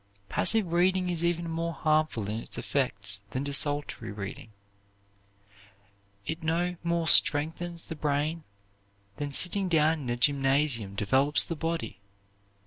Passive reading is even more harmful in its effects than desultory reading. It no more strengthens the brain than sitting down in a gymnasium develops the body.